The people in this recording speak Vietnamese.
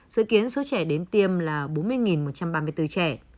dự kiến số trẻ đến tiêm là bốn mươi một trăm ba mươi bốn trẻ